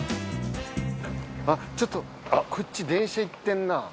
あっちょっとこっち電車行ってんな。